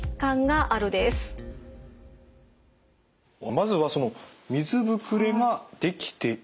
まずはその水ぶくれができている。